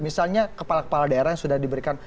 misalnya kepala kepala daerah yang sudah diberikan